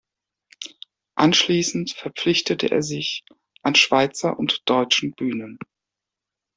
Anschließend verpflichtete er sich an Schweizer und deutschen Bühnen.